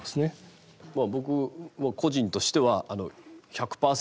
僕個人としては１００％